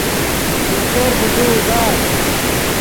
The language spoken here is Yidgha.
یو چر ڤیزے اوزات